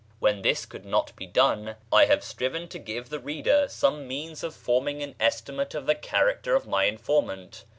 When this could not be done, I have striven to give [page li] the reader some means of forming an estimate of the character of my informant.